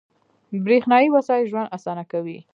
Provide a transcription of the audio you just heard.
• برېښنايي وسایل ژوند اسانه کوي.